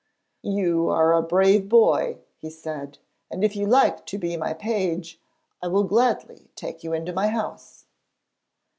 'You are a brave boy,' he said, 'and if you like to be my page, I will gladly take you into my house.'